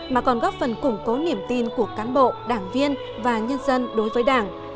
mà còn góp phần củng cố niềm tin của cán bộ đảng viên và nhân dân đối với đảng